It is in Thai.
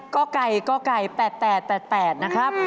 ก็ไก่ก็ไก่๘๘นะครับ